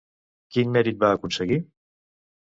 Quin mèrit va aconseguir?